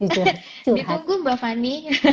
di tunggu mba fanny